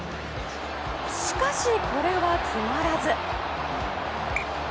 しかし、これは決まらず。